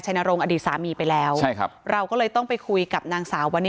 ทั้งครูก็มีค่าแรงรวมกันเดือนละประมาณ๗๐๐๐กว่าบาท